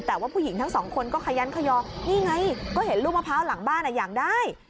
แต่ว่าผู้หญิงทั้งสองคนก็ขยันขยอนี่ไงก็เห็นลูกมะพร้าวหลังบ้านอยากได้